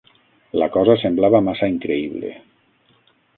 La cosa semblava massa increïble.